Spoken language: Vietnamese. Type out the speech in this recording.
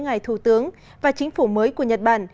ngài thủ tướng và chính phủ mới của nhật bản